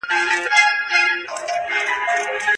بلکې د هغه د دوام له امله.